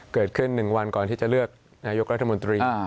เกิดขึ้น๑วันก่อนที่จะเลือกนายกรัฐมนตรี